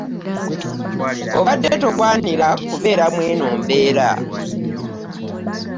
Obadde togwanira kubeera mweno mbeera.